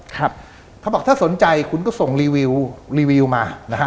เขาบอกถ้าสนใจคุณก็ส่งรีวิวมา